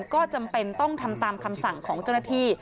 ก็จำเป็นต้องทำตามคำสั่งของเจ้าหน้าที่